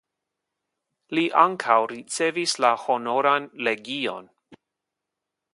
Li ankaŭ ricevis la Honoran Legion.